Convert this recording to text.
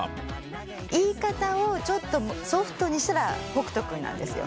言い方をちょっとソフトにしたら北斗君なんですよ。